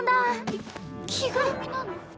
き着ぐるみなの？